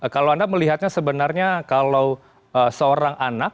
kalau anda melihatnya sebenarnya kalau seorang anak